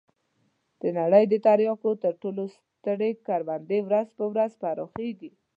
د نړۍ د تریاکو تر ټولو سترې کروندې ورځ په ورځ پراخېږي.